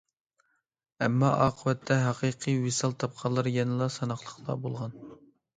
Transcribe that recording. ئەمما ئاقىۋەتتە ھەقىقىي ۋىسال تاپقانلار يەنىلا ساناقلىقلا بولغان.